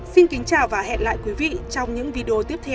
xin kính chào và hẹn gặp lại quý vị trong những video tiếp theo